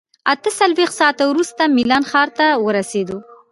اته څلوېښت ساعته وروسته میلان ښار ته ورسېدو.